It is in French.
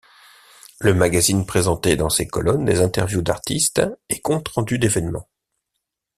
Le magazine présentait dans ses colonnes des interviews d'artistes et comptes-rendus d'événements.